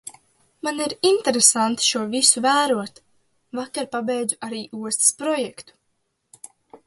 Man ir interesanti šo visu vērot. Vakar pabeidzu arī ostas projektu.